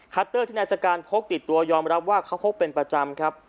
เตอร์ที่นายสการพกติดตัวยอมรับว่าเขาพกเป็นประจำครับ